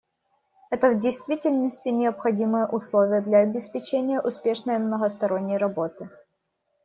Это, в действительности, — необходимое условие для обеспечения успешной многосторонней работы.